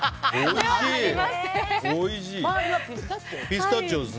ピスタチオです。